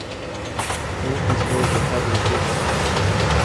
All of these hills were heavily fortified.